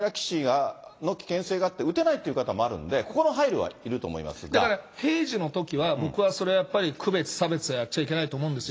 いろんな基礎疾患とか、アナフィラキシーの危険性があって打てない人というのもあるんで、だから、平時のときは僕は、それはやっぱり区別差別はやっちゃいけないと思うんですよ。